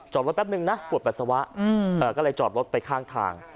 จอดรถแป๊บนึงนะปวดปัสสาวะก็เลยจอดรถไปข้างทาง